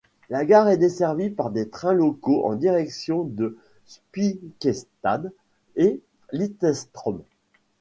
La gare est desservie par des trains locaux en direction de Spikkestad et Lillestrøm.